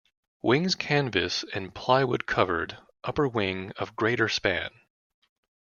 Wings canvas and plywood covered, upper wing of greater span.